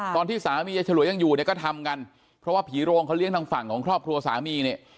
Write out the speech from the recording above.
ตอนที่สามียายฉลวยยังอยู่เนี่ยก็ทำกันเพราะว่าผีโรงเขาเลี้ยงทางฝั่งของครอบครัวสามีเนี่ย